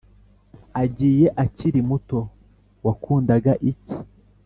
agiye akiri muto wakundaga iki ....